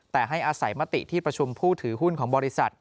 แต่ให้อาศัยมติที่ประชุมผู้ถือหุ้นของบริษัท